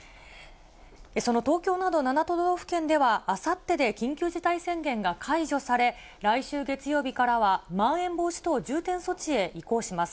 その東京など７都道府県では、あさってで緊急事態宣言が解除され、来週月曜日からは、まん延防止等重点措置へ移行します。